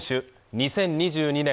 ２０２２年